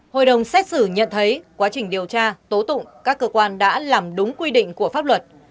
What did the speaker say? hội đồng xét xử nhận thấy quá trình điều tra tố tụng các cơ quan đã làm đúng quy định của pháp luật